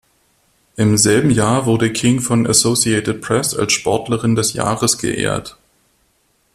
Im selben Jahr wurde King von Associated Press als Sportlerin des Jahres geehrt.